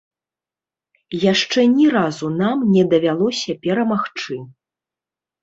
Яшчэ ні разу нам не давялося перамагчы.